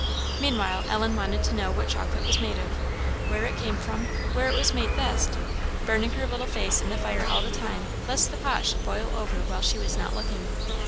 Meanwhile Ellen wanted to know what chocolate was made of where it came from where it was made best burning her little face in the fire all the time, lest the pot should boil over while she was not looking.